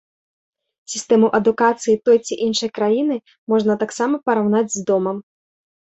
Сістэму адукацыі той ці іншай краіны можна таксама параўнаць з домам.